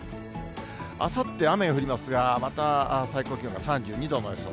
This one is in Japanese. あさって、雨は降りますが、また最高気温が３２度の予想。